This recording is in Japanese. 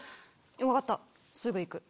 分かったすぐ行く。